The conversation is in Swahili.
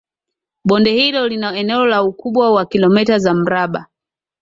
Bonde hilo lina eneo la ukubwa wa kilometa za mraba